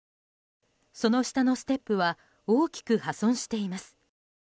その下のステップは大きく破損しています。